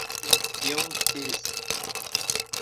یو څیز